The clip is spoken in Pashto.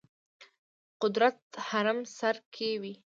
قدرت هرم سر کې وي.